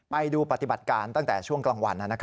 ไปดูปฏิบัติการตั้งแต่ช่วงกลางวัน